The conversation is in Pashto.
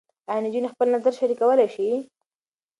ایا نجونې خپل نظر شریکولی شي؟